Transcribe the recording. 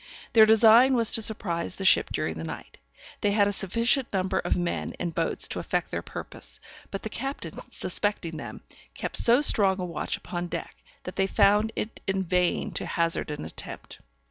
Their design was to surprise the ship during the night. They had a sufficient number of men and boats to effect their purpose, but the captain suspecting them, kept so strong a watch upon deck, that they found it in vain to hazard an attempt.